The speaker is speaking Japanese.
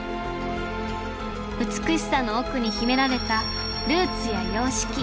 美しさの奥に秘められたルーツや様式。